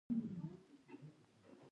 کچالو د وچې خواړو یو قسم دی